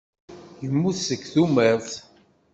Yemmut seg tumert.